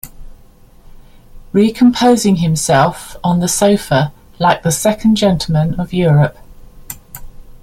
Recomposing himself on the sofa like the second gentleman of Europe.